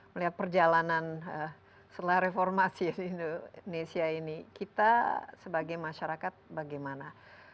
melihat perjalanan setelah reformasi indonesia ini kita sebagai masyarakat bagaimana